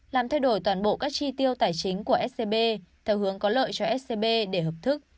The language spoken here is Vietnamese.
làm thay đổi toàn bộ các chi tiêu tài chính của scb theo hướng có lợi cho scb để hợp thức